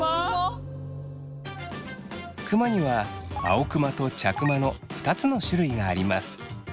クマには青クマと茶クマの２つの種類があります。